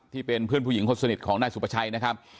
ที่เป็นเพื่อนผู้หญิงคนสนิทของนายสุประชัยนะครับ